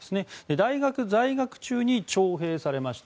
大学在学中に徴兵されまして。